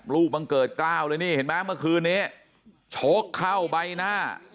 บังเกิดกล้าวเลยนี่เห็นไหมเมื่อคืนนี้ชกเข้าใบหน้า